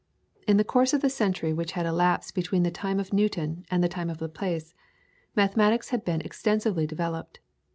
In the course of the century which had elapsed between the time of Newton and the time of Laplace, mathematics had been extensively developed.